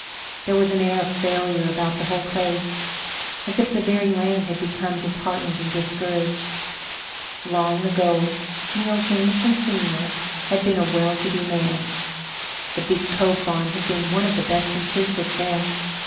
There was an air of failure about the whole place as if the very land had become disheartened and discouraged. Long ago, Neil Jameson, senior, had been a well to do man. The big Cove farm had been one of the best in Chiswick then.